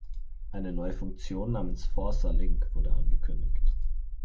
Eine neue Funktion namens "Forza Link" wurde angekündigt.